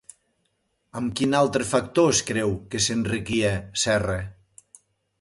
Amb quin altre factor es creu que s'enriquia Serra?